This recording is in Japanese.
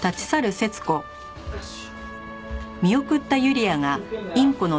よし。